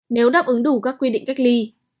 nếu đáp ứng đủ các quy định cách ly